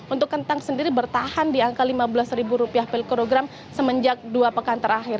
untuk kentang sendiri bertahan di angka lima belas per kilogram semenjak dua pekan terakhir